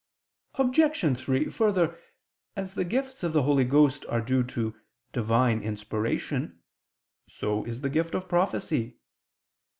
Obj. 3: Further, as the gifts of the Holy Ghost are due to Divine inspiration, so is the gift of prophecy.